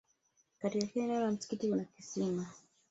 katika kila eneo la msikiti kuna kisima